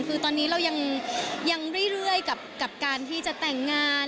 คือตอนนี้เรายังเรื่อยกับการที่จะแต่งงาน